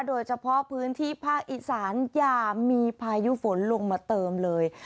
โดยเฉพาะพื้นที่ภาคอีสานอย่ามีพายุฝนลงมาเติมเลย